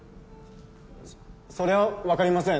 そそれは分かりません。